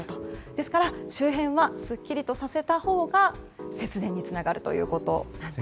ですから周辺はすっきりとさせたほうが節電につながるということなんです。